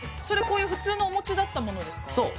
こういう普通のお餅だったものですか？